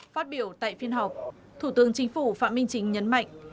phát biểu tại phiên họp thủ tướng chính phủ phạm minh chính nhấn mạnh